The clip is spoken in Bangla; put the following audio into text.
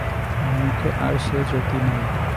মুখে আর সে জ্যোতি নাই।